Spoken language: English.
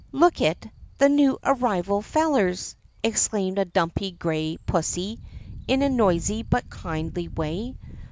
" 'Lookit the new arrival, fellers!' exclaimed a dumpy gray pussy in a noisy but kindly way.